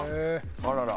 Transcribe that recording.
あらら。